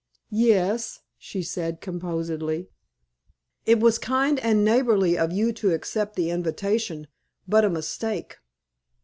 "Yes," she said composedly. "It was kind and neighborly of you to accept the invitation, but a mistake."